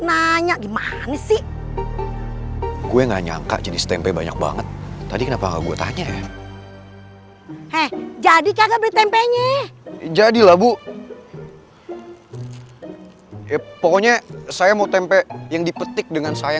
kayaknya mending aku cari orang aja deh buat nanya